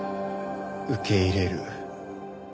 受け入れる。